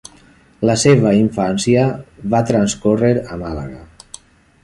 La seva infància va transcórrer a Màlaga.